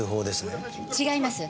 違います。